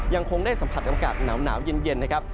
ยังคงได้สัมผัสอากาศหนาวเย็นนะครับ